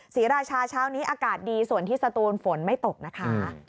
ศรีราชาเช้านี้อากาศดีส่วนที่สตูนฝนไม่ตกนะคะ